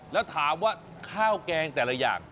แล้วถามว่าข้าวแกงแต่ละอย่าง